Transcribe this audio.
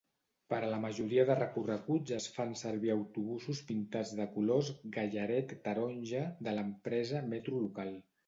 Per a la majoria de recorreguts es fan servir autobusos pintats dels colors gallaret-taronja de l'empresa Metro Local.